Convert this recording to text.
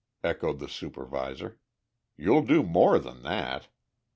echoed the supervisor. "You'll do more than that!